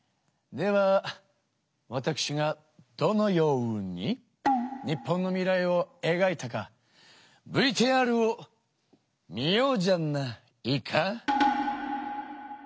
ではわたくしがどのように日本の未来をえがいたかＶＴＲを見ようじゃないか！